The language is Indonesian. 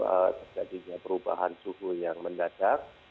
terjadinya perubahan suhu yang mendadak